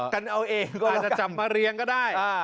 กันเอาเองก็อาจจะจับมาเรียงก็ได้